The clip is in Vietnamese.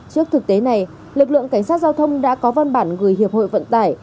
trước thực tế này lực lượng cảnh sát giao thông đã có văn bản gửi hiệp hội vận tải